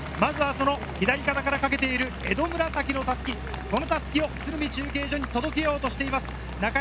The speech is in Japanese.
左肩からかけている江戸紫の襷、この襷を鶴見中継所に届けようとしています。